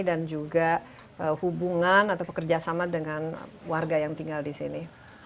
dan juga hubungan atau pekerjasama dengan warga yang tinggal di sini